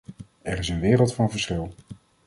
Er is een wereld van verschil.